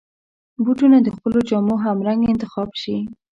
بوټونه د خپلو جامو همرنګ انتخاب شي.